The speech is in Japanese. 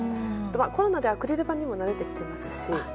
コロナでアクリル板にも慣れてきてますし